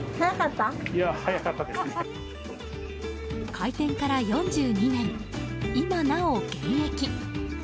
開店から４２年、今なお現役。